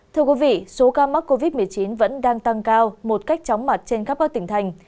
thưa quý vị số ca mắc covid một mươi chín vẫn đang tăng cao một cách chóng mặt trên khắp các tỉnh thành